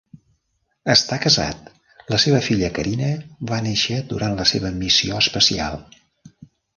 Està casat, la seva filla Carina va néixer durant la seva missió espacial.